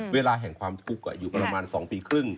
เวลาแห่งความทุกข์อยู่ประมาณ๒ปีครึ่ง